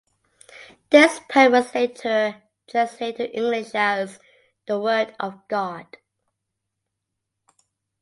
This poem was later translated to English as "The Word of God".